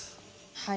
はい。